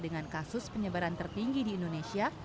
dengan kasus penyebaran tertinggi di indonesia